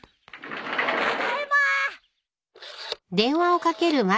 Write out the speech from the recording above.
ただいま！